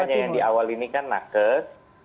makanya yang di awal ini kan nakes